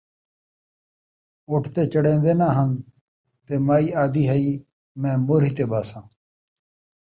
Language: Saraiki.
اُٹھ تے چڑھین٘دے نہ ہن تے مائی آہدی ہئی میں موہری تے ٻاہساں